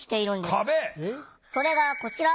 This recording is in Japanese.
それがこちら。